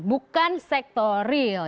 bukan sektor real